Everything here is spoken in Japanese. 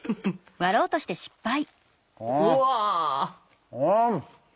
うわ。